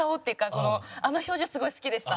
このあの表情すごい好きでした。